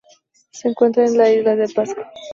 Se encuentra en la isla de Pascua.